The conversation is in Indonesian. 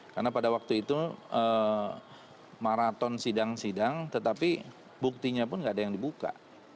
karena pada waktu itu maraton sidang sidang tetapi buktinya pun tidak ada yang dibuka